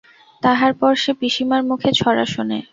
তাহার পর সে পিসিমার মুখে ছড়া শোনে।